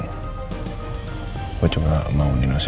gue juga mau nino seenaknya mau hubungi andin lagi